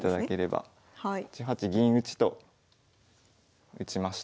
８八銀打と打ちました。